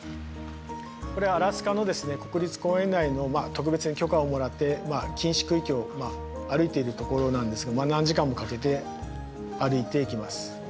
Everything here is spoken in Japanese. これはアラスカの国立公園内の特別に許可をもらってまあ禁止区域を歩いているところなんですが何時間もかけて歩いていきます。